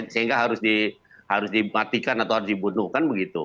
sehingga harus dimatikan atau dibunuh kan begitu